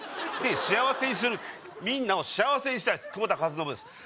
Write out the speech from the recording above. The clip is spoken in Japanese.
で幸せにするみんなを幸せにしたい久保田かずのぶです